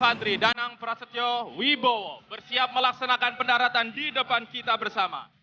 santri danang prasetyo wibo bersiap melaksanakan pendaratan di depan kita bersama